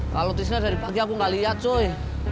kalau tisna dari pagi aku nggak lihat coy